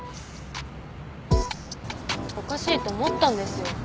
おかしいと思ったんですよ。